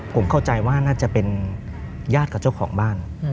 ผมเข้าใจว่าน่าจะเป็นญาติกับเจ้าของบ้าน